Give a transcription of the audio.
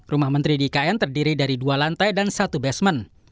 rumah menteri di ikn terdiri dari dua lantai dan satu basement